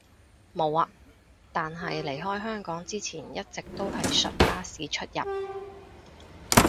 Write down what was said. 無呀，但係離開香港之前一直都係純巴士出入